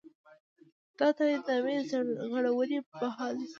دا د تعهد نامې د سرغړونې پر مهال دی.